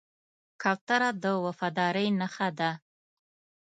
کوتره د وفادارۍ نښه ده.